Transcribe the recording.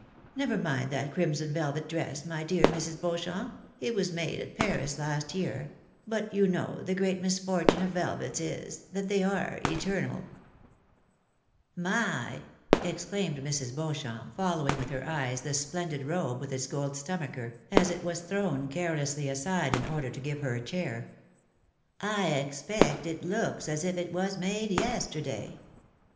Never mind that crimson A i^UJiBl'iON CLEARLY STATED. 97 velvet dress, my dear Mrs. Beauchamp — it was made at Paris last year ; but you know tlie great misfortune of velvets is, that they are eternal !"" My !" exclaimed Mrs. Beauchamp, following with her eyes the splendid robe with its gold stomacher, as it was thrown carelessly aside in order to give her a chair. " I expect it looks as if it was made yesterday.